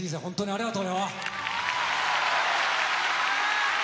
ありがとう！